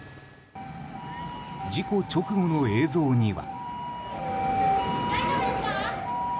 事故直後の映像には。